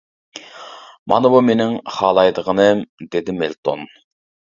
مانا بۇ مېنىڭ خالايدىغىنىم، -دېدى مىلتون.